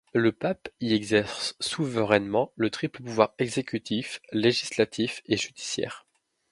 Le pape y exerce souverainement le triple pouvoir exécutif, législatif et judiciaire.